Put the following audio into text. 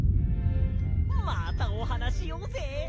またおはなししようぜ！